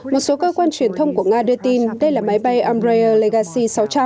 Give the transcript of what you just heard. một số cơ quan truyền thông của nga đưa tin đây là máy bay umbrella legacy sáu trăm linh